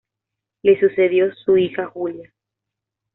Le sucedió su hija Julia.